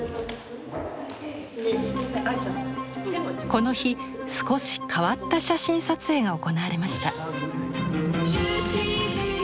この日少し変わった写真撮影が行われました。